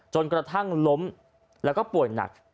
จนกระทั่งล้มแล้วก็ป่วยหนัก